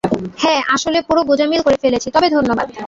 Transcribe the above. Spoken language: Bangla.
হ্যাঁ, আসলে, পুরো গোজামিল করে ফেলেছি, তবে ধন্যবাদ।